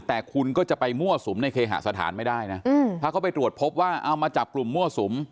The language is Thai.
แต่คุณก็จะไปมั่วสุมในเคหสถานไม่ได้นะถ้าเขาไปตรวจพบว่าเอามาจับกลุ่มมั่วสุม